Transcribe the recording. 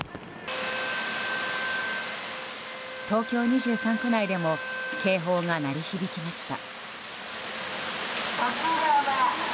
東京２３区内でも警報が鳴り響きました。